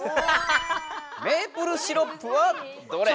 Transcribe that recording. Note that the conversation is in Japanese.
「メープルシロップはどれ？」。